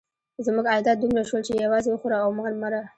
زموږ عایدات دومره شول چې یوازې وخوره او مه مره.